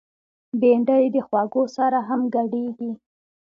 بېنډۍ د خوږو سره هم ګډیږي